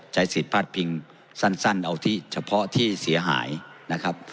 ใช้สิทธิ์พลาดพิงสั้นเอาที่เฉพาะที่เสียหายนะครับ